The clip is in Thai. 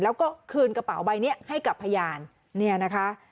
แล้วก็คืนกระเป๋าใบนี้ให้กับพยานเนี่ยนะคะ